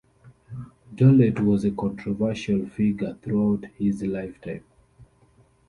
Dolet was a controversial figure throughout his lifetime.